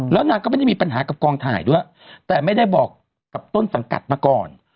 แล้วนางก็ไม่ได้มีปัญหากับกองถ่ายด้วยแต่ไม่ได้บอกกับต้นสังกัดมาก่อน